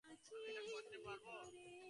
আমি এটা করতে পারবো।